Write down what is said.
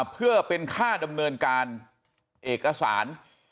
เพื่อเป็นค่าดำเนินการเอกสาร